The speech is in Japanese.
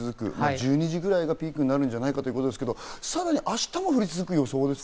１２時くらいがピークになるんじゃないかということですけど、明日も降り続く予想ですか？